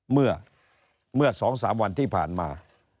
เมื่อ๒๓วันที่ผ่านมา